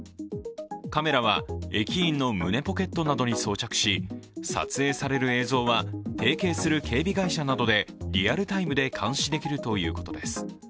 カメラは駅員の胸ポケットなどに装着し撮影される映像は提携する警備会社などでリアルタイムで監視できるということです。